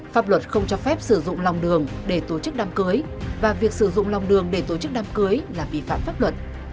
pháp luật không cho phép sử dụng lòng đường để tổ chức đám cưới và việc sử dụng lòng đường để tổ chức đám cưới là vi phạm pháp luật